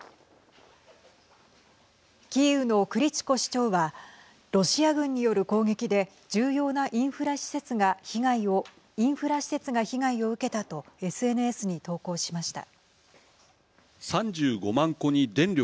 キーウのクリチコ市長はロシア軍による攻撃で重要なインフラ施設が被害を受けたとＳＮＳに投稿しました。